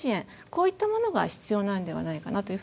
こういったものが必要なんではないかなという